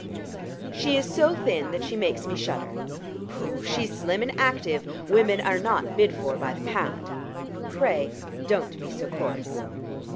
"She is so thin that she makes me shudder." "Pooh! she's slim and active; women are not bid for by the pound." "Pray don't be so coarse."